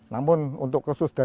namun untuk khusus dari